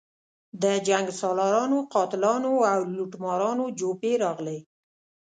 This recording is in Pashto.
د جنګسالارانو، قاتلانو او لوټمارانو جوپې راغلي.